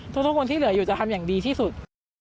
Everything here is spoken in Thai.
ทุกคนที่เหลืออยู่จะทำอย่างดีที่สุด